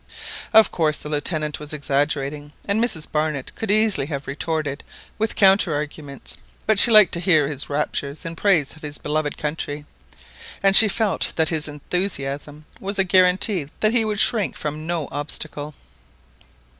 Of course the Lieutenant was exaggerating, and Mrs Barnett could easily have retorted with counter arguments; but she liked to hear his raptures in praise of his beloved country, and she felt that his enthusiasm was a guarantee that he would shrink from no obstacle.